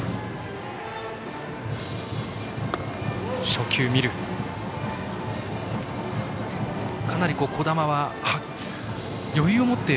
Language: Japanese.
初球、見た。